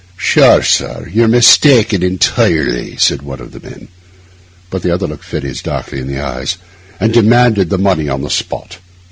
'Sure, sir, you're mistaken entirely,' said one of the men. But the other looked Fettes darkly in the eyes, and demanded the money on the spot.